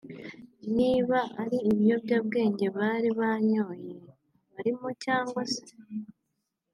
niba ari ibiyobyabwenge bari banyoye abarimo cyangwa se